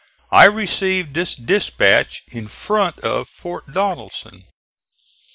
I received this dispatch in front of Fort Donelson.